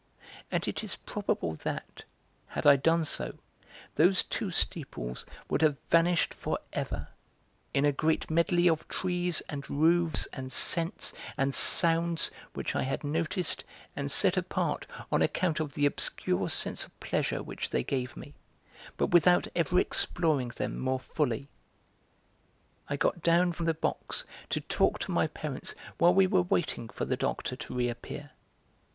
And it is probable that, had I done so, those two steeples would have vanished for ever, in a great medley of trees and roofs and scents and sounds which I had noticed and set apart on account of the obscure sense of pleasure which they gave me, but without ever exploring them more fully. I got down from the box to talk to my parents while we were waiting for the Doctor to reappear.